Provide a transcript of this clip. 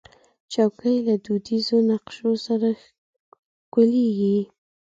چوکۍ له دودیزو نقشو سره ښکليږي.